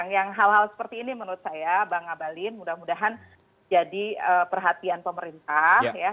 yang hal hal seperti ini menurut saya bang abalin mudah mudahan jadi perhatian pemerintah